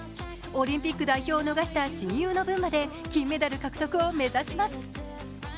オリンピック代表を逃した親友の分まで金メダル獲得を目指します。